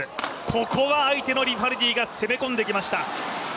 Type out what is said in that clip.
ここは相手のリファルディが攻め込んできました。